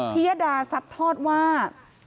เพียดาซับทอดว่า